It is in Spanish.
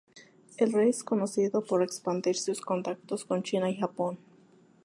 El rey es conocido por expandir sus contactos con China y Japón.